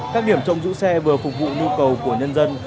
các điểm trông giữ xe vừa phục vụ nhu cầu của nhân dân